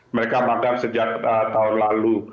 mereka makan sejak tahun lalu